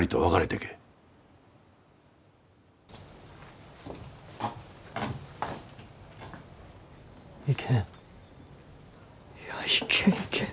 いやいけんいけん。